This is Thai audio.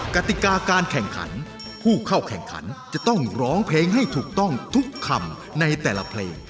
กติกาการแข่งขันผู้เข้าแข่งขันจะต้องร้องเพลงให้ถูกต้องทุกคำในแต่ละเพลง